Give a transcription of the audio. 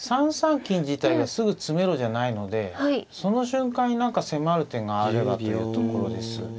３三金自体がすぐ詰めろじゃないのでその瞬間に何か迫る手があればというところです。